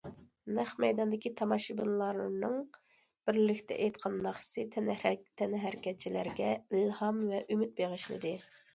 نەق مەيداندىكى تاماشىبىنلارنىڭ بىرلىكتە ئېيتقان ناخشىسى تەنھەرىكەتچىلەرگە ئىلھام ۋە ئۈمىد بېغىشلىدى.